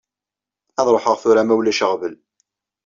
Ad ṛuḥeɣ tura ma ulac aɣbel.